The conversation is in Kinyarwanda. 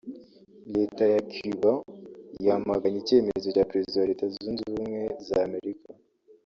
Leta ya Cuba yamaganye icyemezo cya Perezida wa Leta zunze ubumwe za Amerika